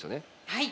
はい。